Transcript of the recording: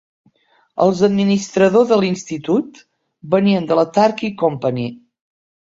Els administrador de l'institut venien de la Turkey Company.